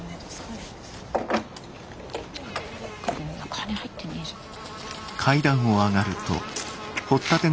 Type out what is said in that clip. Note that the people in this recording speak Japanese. ・・・金入ってねえじゃん。